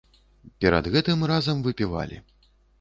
Перад гэтым разам выпівалі.